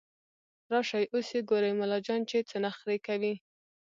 راشئ اوس يې ګورئ ملا جان چې څه نخروې کوي